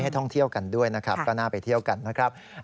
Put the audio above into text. ท่องเที่ยวกันด้วยนะครับก็น่าไปเที่ยวกันนะครับ